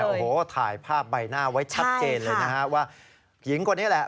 ก็ถ่ายภาพใบหน้าไว้ชัดเจนเลยว่าหญิงคนนี้แหละ